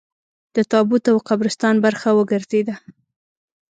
د تابوت او قبرستان برخه وګرځېده.